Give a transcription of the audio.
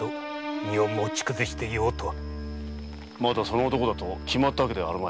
まだその男だと決まったわけではあるまい。